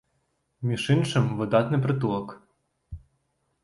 Між іншым, выдатны прытулак.